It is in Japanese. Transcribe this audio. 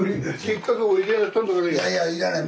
いやいや要らない。